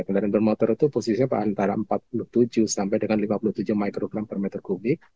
kendaraan bermotor itu posisinya antara empat puluh tujuh sampai dengan lima puluh tujuh mikrogram per meter kubik